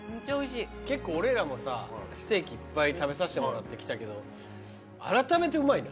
結構俺らもさステーキいっぱい食べさせてもらってきたけどあらためてうまいな。